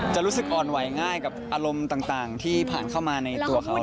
จะรู้สึกอ่อนไหวง่ายกับอารมณ์ต่างที่ผ่านเข้ามาในตัวเขา